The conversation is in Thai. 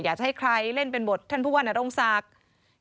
อยากจะให้ใครเล่นเป็นบทท่านผู้ว่านโรงศักดิ์